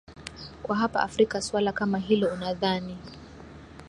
kwa hapa afrika suala kama hilo unadhani